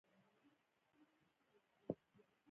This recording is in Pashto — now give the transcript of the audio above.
د انټرنیټي بانکوالۍ کارول ډیر مهارت ته اړتیا نه لري.